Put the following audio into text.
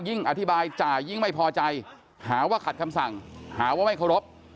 อธิบายจ่ายิ่งไม่พอใจหาว่าขัดคำสั่งหาว่าไม่เคารพ